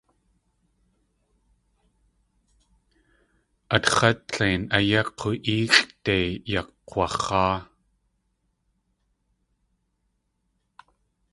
Atx̲á tlein áyá k̲u.éexʼde yakk̲wax̲áa.